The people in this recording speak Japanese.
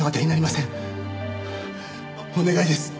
お願いです。